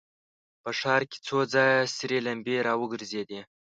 په ښار کې څو ځايه سرې لمبې را وګرځېدې.